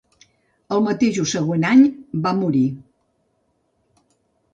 El mateix o següent any va morir.